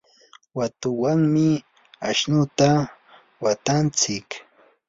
watuwanmi ashnuta watantsik.